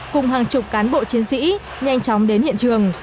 cùng hàng chục cán bộ chiến sĩ nhanh chóng đến hiện trường